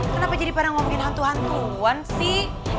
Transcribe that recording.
kenapa jadi pada ngomongin hantu hantuan sih